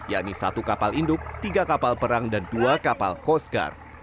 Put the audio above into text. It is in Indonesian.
yakni satu kapal induk tiga kapal perang dan dua kapal coast guard